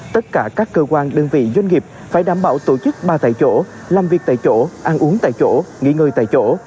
tất cả các cơ quan đơn vị doanh nghiệp phải đảm bảo tổ chức ba tại chỗ làm việc tại chỗ ăn uống tại chỗ nghỉ ngơi tại chỗ